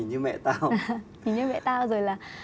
nhìn như mẹ tao